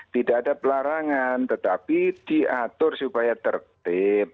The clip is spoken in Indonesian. tidak ada pelarangan tetapi diatur supaya tertib